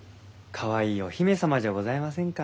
かわいいお姫様じゃございませんか。